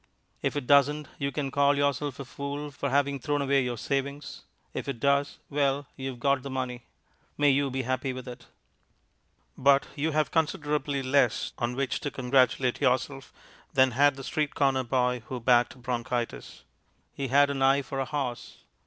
If it doesn't, you can call yourself a fool for having thrown away your savings; if it does well, you have got the money. May you be happy with it! But you have considerably less on which to congratulate yourself than had the street corner boy who backed Bronchitis. He had an eye for a horse.